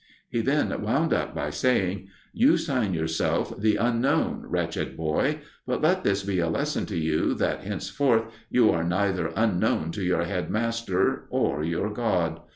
He then wound up by saying: "You sign yourself 'The Unknown,' wretched boy, but let this be a lesson to you that henceforth you are neither unknown to your head master or your God.